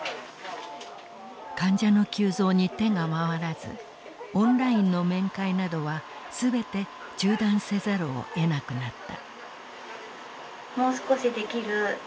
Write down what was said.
患者の急増に手が回らずオンラインの面会などは全て中断せざるをえなくなった。